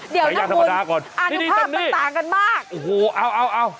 เดี๋ยวนะคุณอารมณ์ภาพต่างกันมากโอ้โฮเอา